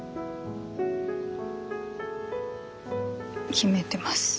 決めてます